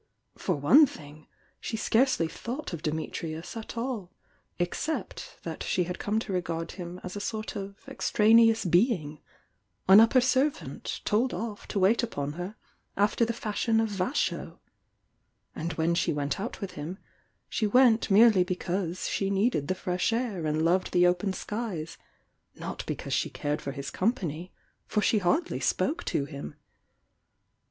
For one thing, she scarcely thought of Dimi trius at all, except that she had come to regard him as a sort of extraneous being — an upper servant told off to wait upon her after the fashion of Vasho, — and when she went out with him, she went merely because die needed the fresh air and loved the open skies, not because she cared for his company, for she hardly spoke to him.